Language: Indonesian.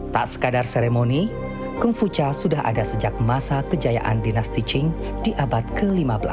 tak sekadar seremoni kung fu cha sudah ada sejak masa kejayaan dinasti qing di abad ke lima belas